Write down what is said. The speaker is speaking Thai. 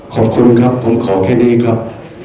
ขอบคุณครับผมขอแค่นี้ครับ